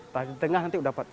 tapi di tengah nanti udah